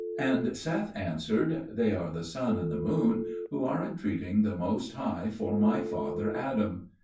And Seth answered, "They are the Sun and the Moon, who are entreating the Most High for my father Adam."